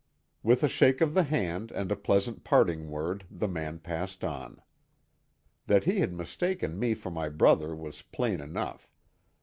With a shake of the hand and a pleasant parting word the man passed on. That he had mistaken me for my brother was plain enough.